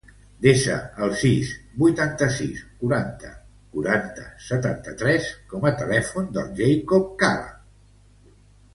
Desa el sis, vuitanta-sis, quaranta, quaranta, setanta-tres com a telèfon del Jacobo Cala.